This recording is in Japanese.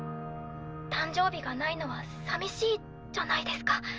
誕生日がないのはさみしいじゃないですか。